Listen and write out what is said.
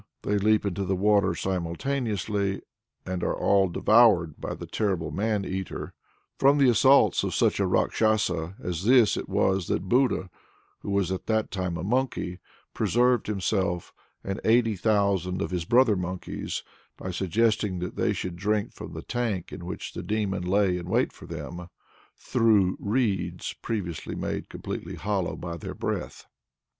They leap into the water simultaneously, and are all devoured by the terrible man eater. From the assaults of such a Rákshasa as this it was that Buddha, who was at the time a monkey, preserved himself and 80,000 of his brother monkeys, by suggesting that they should drink from the tank in which the demon lay in wait for them, "through reeds previously made completely hollow by their breath."